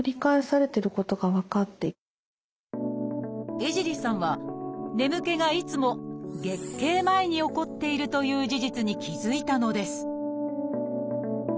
江尻さんは眠気がいつも月経前に起こっているという事実に気付いたのです